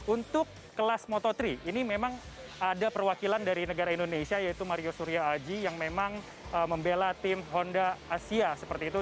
untuk kelas moto tiga ini memang ada perwakilan dari negara indonesia yaitu mario surya aji yang memang membela tim honda asia seperti itu